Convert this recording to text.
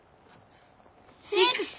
シックス！